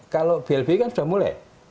kalau blb kan sudah mulai